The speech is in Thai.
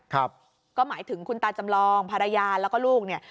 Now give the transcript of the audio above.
ครับก็หมายถึงคุณตาจำลองภรรยาแล้วก็ลูกเนี่ย